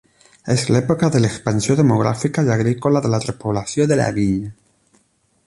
És l'època de l'expansió demogràfica i agrícola de la repoblació de la vinya.